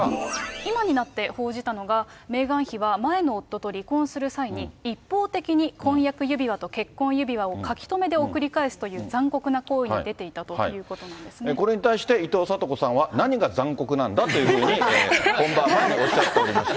今になって報じたのが、メーガン妃は、前の夫と離婚する際に、一方的に婚約指輪と結婚指輪を書留で送り返すという残酷な行為にこれに対して、伊藤聡子さんは、何が残酷なんだというふうに、本番前におっしゃっておりました。